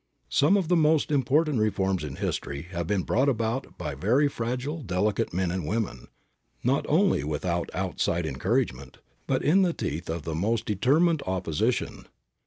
Some of the most important reforms in history have been brought about by very fragile, delicate men and women, not only without outside encouragement, but in the teeth of the most determined opposition.